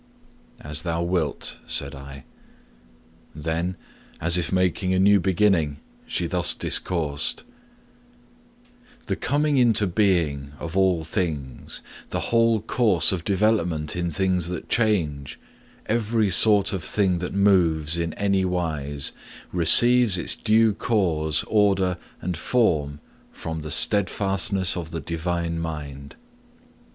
'As thou wilt,' said I. Then, as if making a new beginning, she thus discoursed: 'The coming into being of all things, the whole course of development in things that change, every sort of thing that moves in any wise, receives its due cause, order, and form from the steadfastness of the Divine mind.